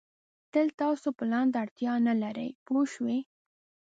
تل تاسو پلان ته اړتیا نه لرئ پوه شوې!.